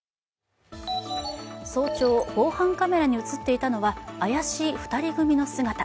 早朝、防犯カメラに映っていたのは怪しい２人組の姿。